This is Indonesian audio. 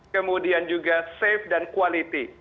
kemudian juga safe dan quality